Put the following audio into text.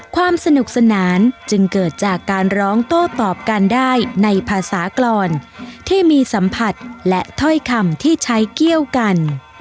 ความสนุกสนานจึงเกิดจากการร้องโต้ตอบกันได้ในภาษากรที่มีสัมผัสและถ้อยคำที่ใช้เกี่ยวกัน